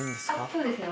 そうですね。